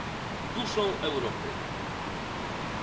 duszą Europy